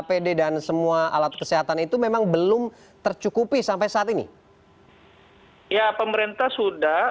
apd dan semua alat kesehatan itu memang belum tercukupi sampai saat ini ya pemerintah sudah